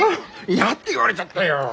嫌って言われちゃったよ。